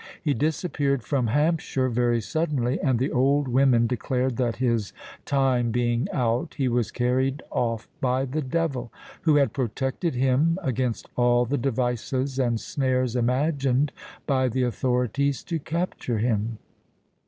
He disappeared from Hampshire very suddenly; and the old women declared that his time being out, he was carried off by the Devil, who had protected him against all the devices and snares imagined by the authorities to capture him."